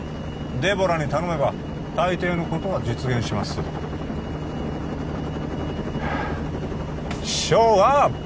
デボラに頼めば大抵のことは実現しますはあっショーアップ！